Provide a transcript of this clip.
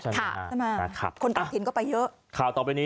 ใช่ค่ะใช่ค่ะคนอาทินก็ไปเยอะข่าวต่อไปนี้